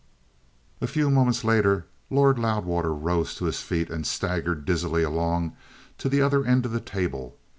A few moments later Lord Loudwater rose to his feet and staggered dizzily along to the other end of the table.